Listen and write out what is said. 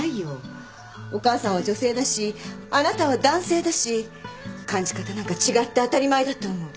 お母さんは女性だしあなたは男性だし感じ方なんか違って当たり前だと思う。